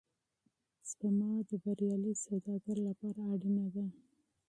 سپما د بریالي سوداګر لپاره اړینه ده.